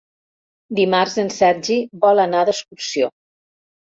Dimarts en Sergi vol anar d'excursió.